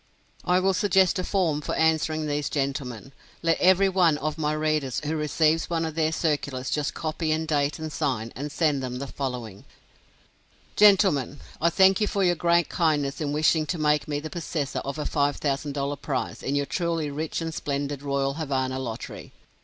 I will suggest a form for answering these gentlemen. Let every one of my readers who receives one of their circulars just copy and date and sign, and send them the following: "GENTLEMEN: I thank you for your great kindness in wishing to make me the possessor of a $5,000 prize in your truly rich and splendid Royal Havana Lottery.